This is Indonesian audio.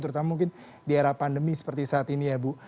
terutama mungkin di era pandemi seperti saat ini ya bu